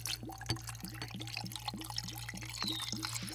En la norda marbordo kaj en la insularo loĝas arabe parolanta loĝantaro.